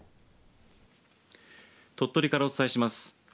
鳥取からお伝えします。